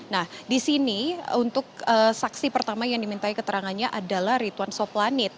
nah di sini untuk saksi pertama yang dimintai keterangannya adalah rituan soplanit